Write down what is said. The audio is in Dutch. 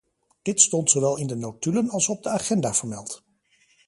Dit stond zowel in de notulen als op de agenda vermeld.